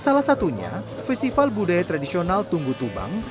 salah satunya festival budaya tradisional tunggu tubang